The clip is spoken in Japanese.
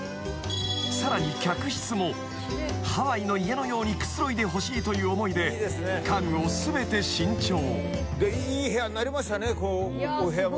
［さらに客室もハワイの家のようにくつろいでほしいという思いで家具を全て新調］